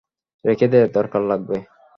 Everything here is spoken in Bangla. রেখে দে, দরকার লাগবে।